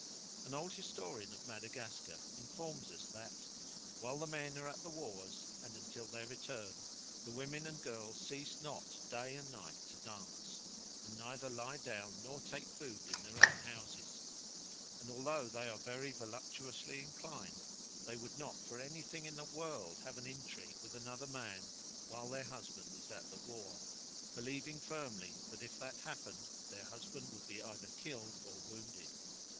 An old historian of Madagascar informs us that "while the men are at the wars, and until their return, the women and girls cease not day and night to dance, and neither lie down nor take food in their own houses. And although they are very voluptuously inclined, they would not for anything in the world have an intrigue with another man while their husband is at the war, believing firmly that if that happened, their husband would be either killed or wounded.